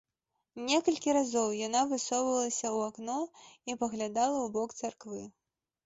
Некалькі разоў яна высоўвалася ў акно і паглядала ў бок царквы.